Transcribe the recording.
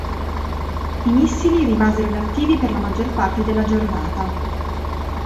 I missili rimasero inattivi per la maggior parte della giornata.